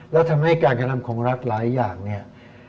แล้วทำให้การกระทำของรัฐหลายอย่างเนี่ย